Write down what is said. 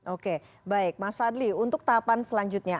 oke baik mas fadli untuk tahapan selanjutnya